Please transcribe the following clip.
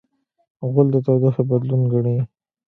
غول د تودوخې بدلون ګڼي.